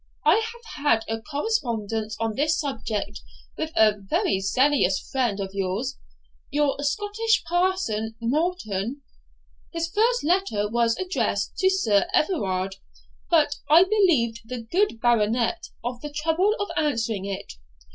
I have had a correspondence on this subject with a very zealous friend of yours, your Scottish parson, Morton; his first letter was addressed to Sir Everard; but I relieved the good Baronet of the trouble of answering it.